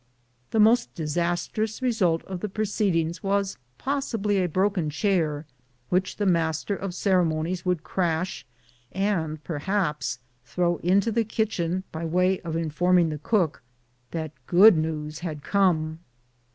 The most disastrous result of the proceedings was pos sibly a broken chair, which the master of ceremonies would crash, and, perhaps, throw into the kitchen by way of informing the cook that good news had come.